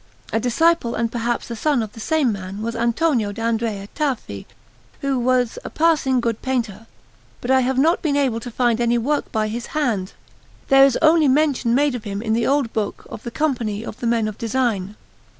A disciple and perhaps a son of the same man was Antonio d'Andrea Tafi, who was a passing good painter; but I have not been able to find any work by his hand. There is only mention made of him in the old book of the Company of the Men of Design.